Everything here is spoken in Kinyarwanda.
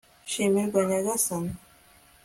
shimirwa nyagasani